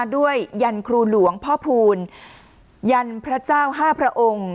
ยันครูหลวงพ่อพูลยันพระเจ้า๕พระองค์